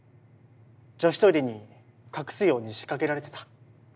女子トイレに隠すように仕掛けられてた。